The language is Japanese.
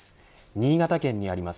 新潟県にあります